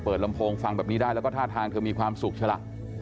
ลำโพงฟังแบบนี้ได้แล้วก็ท่าทางเธอมีความสุขใช่ล่ะ